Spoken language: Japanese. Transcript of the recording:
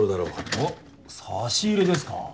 おっ差し入れですか。